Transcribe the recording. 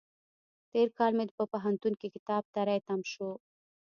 تېر کال مې په پوهنتون کې کتاب تری تم شو.